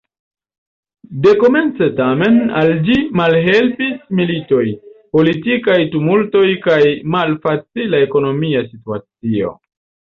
Dekomence, tamen, al ĝi malhelpis militoj, politikaj tumultoj kaj malfacila ekonomia situacio.